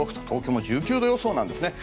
東京も１９度予想です。